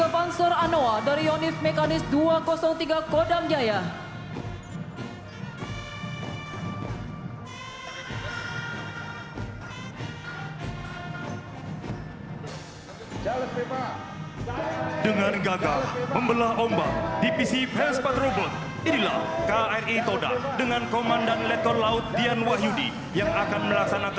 tiga panzer pandur delapan k delapan dari busenif angkatan darat